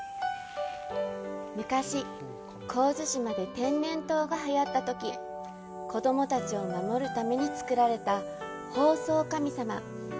昔、神津島で天然痘がはやったとき子供たちを守るために作られたほうそう神様。